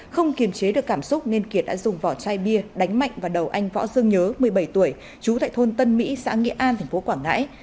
không kiềm chế được cảm xúc nên kiệt đã dùng vỏ chai bia đánh mạnh vào đầu anh võ dương nhớ một mươi bảy tuổi trú tại thôn tân mỹ xã nghĩa an tp quảng ngãi